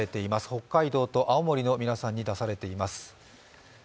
北海道と青森の皆さんに出されています。